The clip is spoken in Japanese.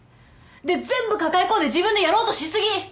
で全部抱え込んで自分でやろうとし過ぎ！